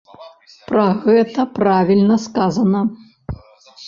Пра гэта правільна сказана.